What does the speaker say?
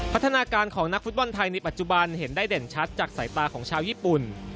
พัฒนาการของนักฟุตบอลไทยในปัจจุบันเห็นได้เด่นชัดจากสายตาของชาวญี่ปุ่น